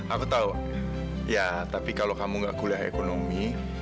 aku tahu ya tapi kalau kamu gak kuliah ekonomi